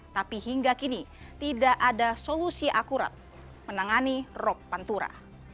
tapi hingga kini tidak ada solusi akurat menangani rob pantura